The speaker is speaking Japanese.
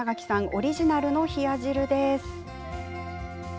オリジナルの冷や汁です。